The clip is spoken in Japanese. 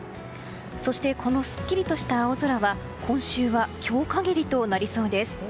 そして、このすっきりとした青空は今週は今日限りとなりそうです。